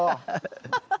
ハハハハッ。